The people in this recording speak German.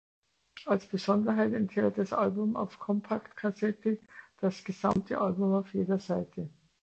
Als Besonderheit enthält das Album auf Compact Cassette das gesamte Album auf jeder Seite.